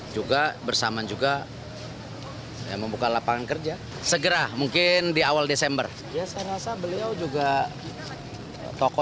juga bersamaan juga yang membuka lapangan kerja segera mungkin di awal desember beliau juga toko